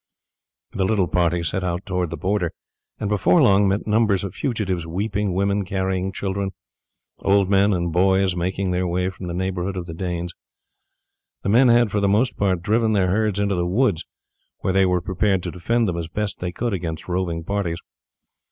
The little party set out towards the border, and before long met numbers of fugitives, weeping women carrying children, old men and boys, making their way from the neighbourhood of the Danes. The men had for the most part driven their herds into the woods, where they were prepared to defend them as best they could against roving parties.